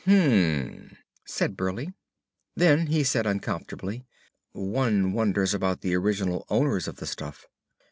"Hmmm," said Burleigh. Then he said uncomfortably; "One wonders about the original owners of the stuff."